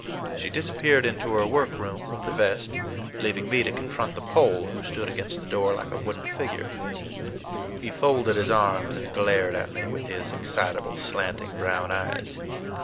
She disappeared into her work room with the vest, leaving me to confront the Pole, who stood against the door like a wooden figure. He folded his arms and glared at me with his excitable, slanting brown eyes.